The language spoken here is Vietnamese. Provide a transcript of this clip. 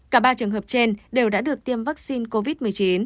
cả ba trường hợp trên đều đã được tiêm vaccine covid một mươi chín